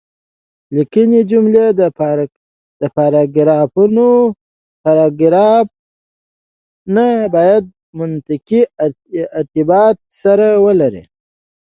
د ليکنې جملې او پاراګرافونه بايد منطقي ارتباط سره ولري.